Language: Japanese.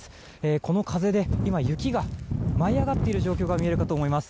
この風で今、雪が舞い上がっている状況が見えるかと思います。